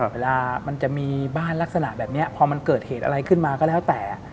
เวลามันจะมีบ้านลักษณะแบบนี้พอมันเกิดเหตุอะไรขึ้นมาก็แล้วแต่